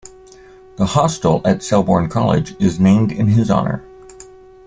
The hostel at Selborne College is named in his honour.